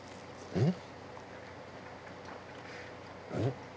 うん？